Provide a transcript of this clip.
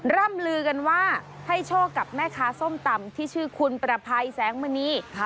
ร่ำลือกันว่าให้โชคกับแม่ค้าส้มตำที่ชื่อคุณประภัยแสงมณี